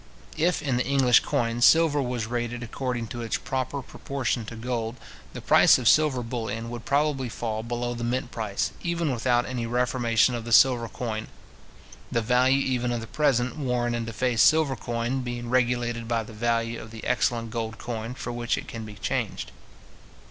If, in the English coin, silver was rated according to its proper proportion to gold, the price of silver bullion would probably fall below the mint price, even without any reformation of the silver coin; the value even of the present worn and defaced silver coin being regulated by the value of the excellent gold coin for which it can be changed.